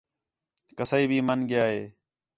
کسائی بھی مَن ڳِیا ہِے